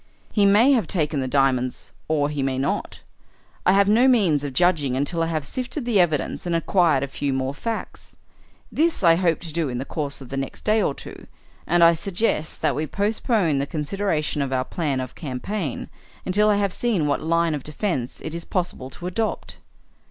"He may have taken the diamonds or he may not. I have no means of judging until I have sifted the evidence and acquired a few more facts. This I hope to do in the course of the next day or two, and I suggest that we postpone the consideration of our plan of campaign until I have seen what line of defence it is possible to adopt."